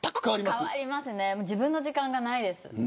変わりますね自分の時間がないです。